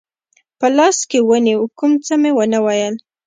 په لاس کې ونیو، کوم څه مې و نه ویل.